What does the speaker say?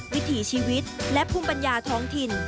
วิถีชีวิตและภูมิปัญญาท้องถิ่น